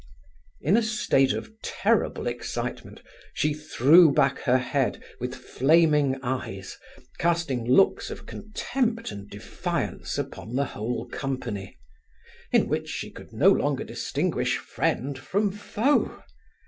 In a state of terrible excitement she threw back her head, with flaming eyes, casting looks of contempt and defiance upon the whole company, in which she could no longer distinguish friend from foe.